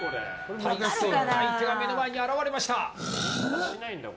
相手が目の前に現れました。